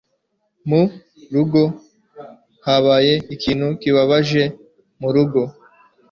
Mu rugo habaye ikintu kibabaje murugo.